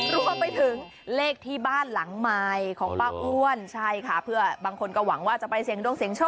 รวมไปถึงเลขที่บ้านหลังมายของป้าอ้วน